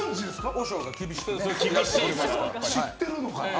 和尚が厳しくてね。